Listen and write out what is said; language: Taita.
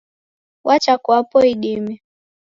Wacha kwapo idime.